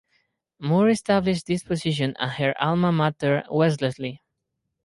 Moore established this position at her alma mater Wellesley.